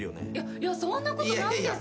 いやそんなことないです。